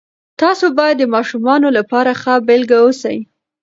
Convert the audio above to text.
تاسې باید د ماشومانو لپاره ښه بیلګه اوسئ.